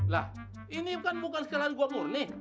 lah ini kan bukan sekalian gua murni